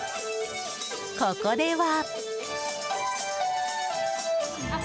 ここでは。